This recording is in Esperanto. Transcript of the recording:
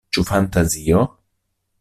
Ĉu fantazio?